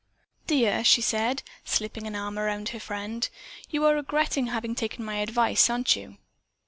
"Dear," she said, slipping an arm about her friend, "you are regretting having taken my advice, aren't you?"